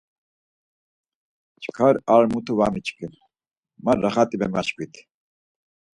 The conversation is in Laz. Çkva ar mutu va miçkin, ma raxati memaşkvit.